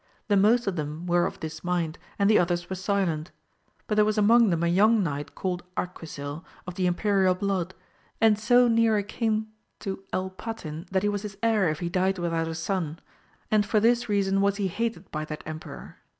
The most of them were of this mind and the others were silent. But there was among them a young knight called Arquisil, of the imperial blood, and so near a kin to El Patin that he was his heir if he died without a son, and for this reason was he hated by that emperor.